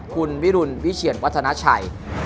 คุณวิรุณวิเชียนวัฒนาชัย